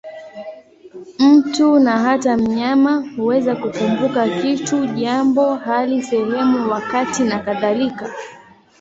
Mtu, na hata mnyama, huweza kukumbuka kitu, jambo, hali, sehemu, wakati nakadhalika.